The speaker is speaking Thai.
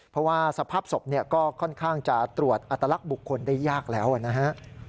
เพราะว่าสภาพศพก็ค่อนข้างจะตรวจอัตลักษณ์บุคคลได้ยากแล้วนะฮะ